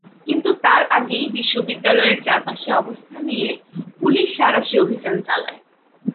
কিন্তু তার আগেই বিশ্ববিদ্যালয়ের চারপাশে অবস্থান নিয়ে পুলিশ সাঁড়াশি অভিযান চালায়।